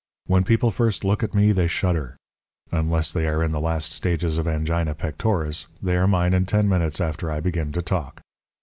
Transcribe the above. When people first look at me they shudder. Unless they are in the last stages of angina pectoris they are mine in ten minutes after I begin to talk.